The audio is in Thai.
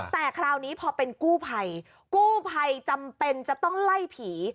แต่คราวนี้พอเป็นกู้ภัยกู้ภัยจำเป็นจะต้องไล่ผี